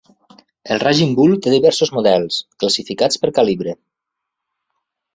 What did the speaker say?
El Raging Bull té diversos models, classificats per calibre.